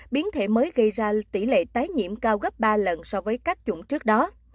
biến thể mới gây ra tỷ lệ tái nhiễm cao gấp ba lần so với các chủng trước đó